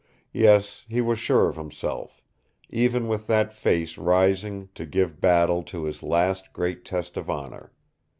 Yes, he was sure of himself even with that face rising lo give battle to his last great test of honor.